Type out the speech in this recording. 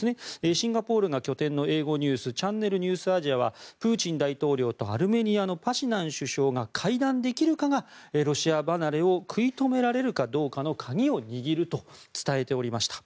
シンガポールが拠点の英語ニュースチャンネルニュースアジアはプーチン大統領とアルメニアのパシニャン首相が会談できるかがロシア離れを食い止められるかどうかの鍵を握ると伝えておりました。